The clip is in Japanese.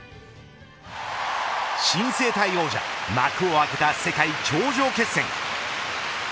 新世界王者幕を開けた世界頂上決戦。